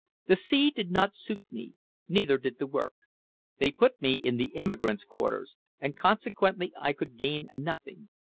The sea did not suit me neither did the work. They put me in the emigrants' quarters, and consequently I could gain nothing.